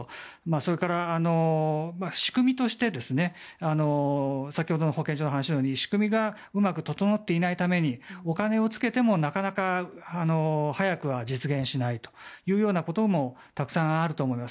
それから、仕組みとして先ほどの保健所の話のように仕組みがうまく整っていないためにお金をつけてもなかなか早くは実現しないというようなこともたくさんあると思います。